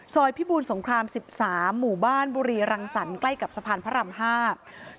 ซอยพิบูลสงคราม๑๓หมู่บ้านบุรีรังสรรใกล้กับสะพานพระราม๕